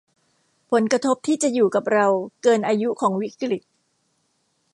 ผลกระทบที่จะอยู่กับเราเกินอายุของวิกฤต